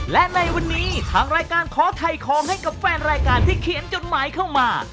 และในวันนี้ทางรายการขอถ่ายของให้กับแฟนรายการที่เขียนจดหมายเข้ามา